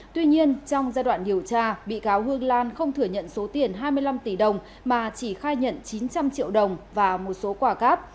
tuy nhiên trong giai đoạn điều tra bị cáo hương lan không thừa nhận số tiền hai mươi năm tỷ đồng mà chỉ khai nhận chín trăm linh triệu đồng và một số quả cát